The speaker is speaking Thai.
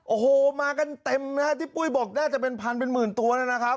โอ้โหมากันเต็มนะฮะที่ปุ้ยบอกน่าจะเป็นพันเป็นหมื่นตัวนะครับ